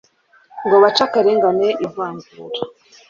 ngo bace akarengane, ivangura